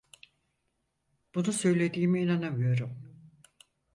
Bunu söylediğime inanamıyorum.